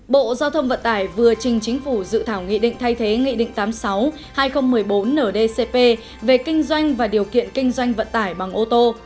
bộ giao thông vận tải vừa trình chính phủ dự thảo nghị định thay thế nghị định tám mươi sáu hai nghìn một mươi bốn ndcp về kinh doanh và điều kiện kinh doanh vận tải bằng ô tô